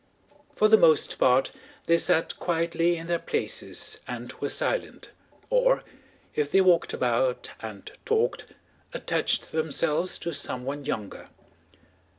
For the most part they sat quietly in their places and were silent, or, if they walked about and talked, attached themselves to someone younger.